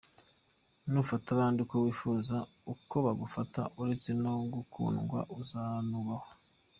Nufata abandi uko wifuza ko bagufata uretse no gukundwa uzanubahwa.